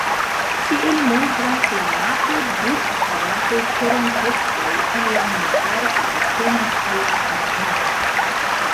Kiel montras la mapo, du apartaj teren-pecoj en la montaro apartenas al la komunumo.